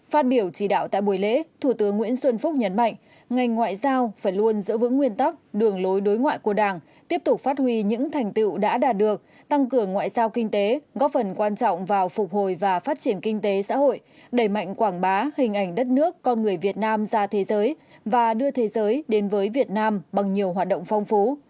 phát biểu chỉ đạo tại buổi lễ thủ tướng nguyễn xuân phúc nhấn mạnh ngành ngoại giao phải luôn giữ vững nguyên tắc đường lối đối ngoại của đảng tiếp tục phát huy những thành tựu đã đạt được tăng cường ngoại giao kinh tế góp phần quan trọng vào phục hồi và phát triển kinh tế xã hội đẩy mạnh quảng bá hình ảnh đất nước con người việt nam ra thế giới và đưa thế giới đến với việt nam bằng nhiều hoạt động phong phú